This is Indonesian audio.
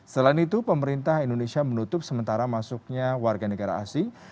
selain itu pemerintah indonesia menutup sementara masuknya warga negara asing